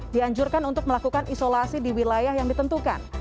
dianjurkan untuk melakukan isolasi di wilayah yang ditentukan